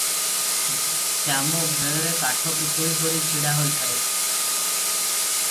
ଶ୍ୟାମ ଭୟରେ କାଠ ପିତୁଳି ପରି ଛିଡ଼ା ହୋଇଥାଏ ।